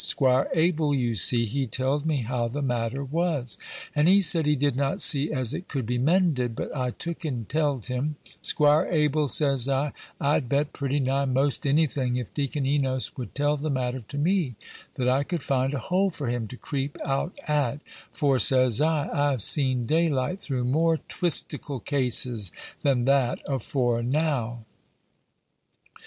"'Squire Abel, you see, he tell'd me how the matter was, and he said he did not see as it could be mended; but I took and tell'd him, ''Squire Abel,' says I, 'I'd bet pretty nigh 'most any thing, if Deacon Enos would tell the matter to me, that I could find a hole for him to creep out at; for,' says I, 'I've seen daylight through more twistical cases than that afore now.'"